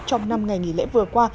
trong năm ngày nghỉ lễ vừa qua